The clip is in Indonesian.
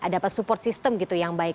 dapat support system gitu yang baik